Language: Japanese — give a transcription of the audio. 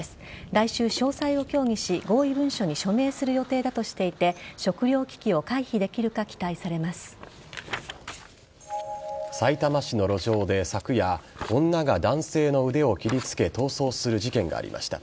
来週、詳細を協議し合意文書に署名する予定だとしていて食糧危機をさいたま市の路上で昨夜女が男性の腕を切りつけ逃走する事件がありました。